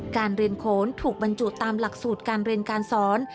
การเรียนโขนถูกบรรจุตามหลักสูตรการเรียนการสอน